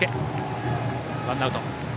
ワンアウト。